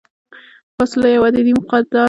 فاصله یو عددي مقدار دی.